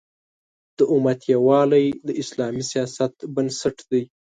د امت یووالی د اسلامي سیاست بنسټ دی.